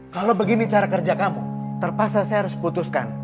kalau begini cara kerja kamu terpaksa saya harus putuskan